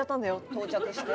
到着して？